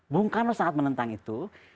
bung karno sangat menentang itu